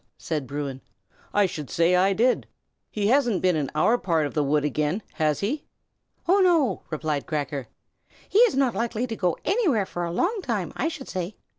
said Bruin, "I should say I did. He hasn't been in our part of the wood again, has he?" "Oh, no!" replied Cracker. "He is not likely to go anywhere for a long time, I should say.